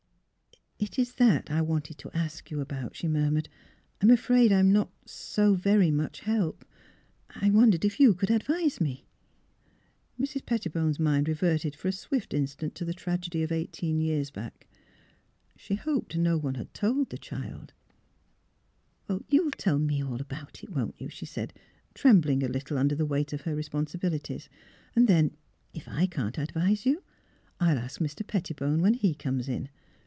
It — it is that I wanted to ask you about," she murmured, "I'm afraid I'm not — so very much help. I — wondered if you could advise me? " Mrs. Pettibone 's mind reverted for a swift in stant to the tragedy of eighteen years back. She hoped no one had told the child. " You'll tell me all about it, won't you? " she said, trembling a little under the weight of her responsibilities. '' Then, if I can't advise you, I'll ask Mr. Pettibone when he comes in."